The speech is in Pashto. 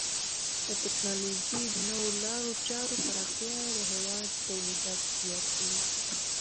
د ټکنالوژۍ د نوو لارو چارو پراختیا د هیواد تولیداتو زیاتوي.